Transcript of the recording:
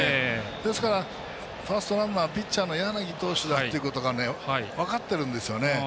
ですからファーストランナーピッチャーの柳投手だということが分かっているんですよね。